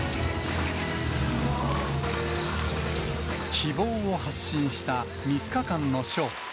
希望を発信した３日間のショー。